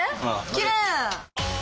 きれい！